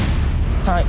はい。